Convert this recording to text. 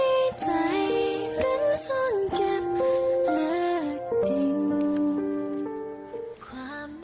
แม้มีใจหรือส้นเก็บเลือกจริง